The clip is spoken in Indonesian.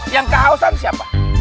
yang kehausan siapa